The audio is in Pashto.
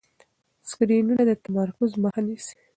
سکرینونه د تمرکز مخه نیسي.